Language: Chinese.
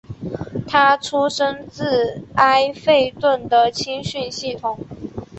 他出身自埃弗顿的青训系统。